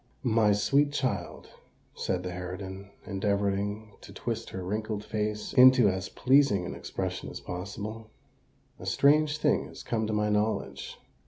"My sweet child," said the harridan, endeavouring to twist her wrinkled face into as pleasing an expression as possible, "a strange thing has come to my knowledge.